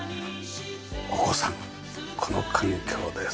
お子さんこの環境で育つ！